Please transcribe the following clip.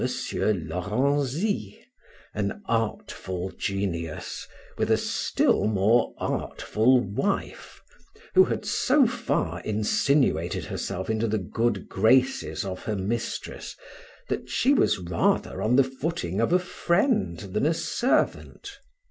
Lorenzy, an artful genius, with a still more artful wife; who had so far insinuated herself into the good graces of her mistress, that she was rather on the footing of a friend than a servant.